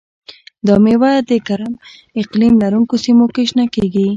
دا مېوه د ګرم اقلیم لرونکو سیمو کې شنه کېږي.